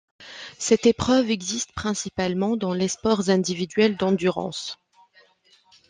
Cette épreuve existe principalement dans les sports individuels d'endurance.